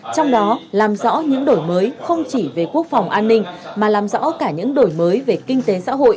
trong đó làm rõ những đổi mới không chỉ về quốc phòng an ninh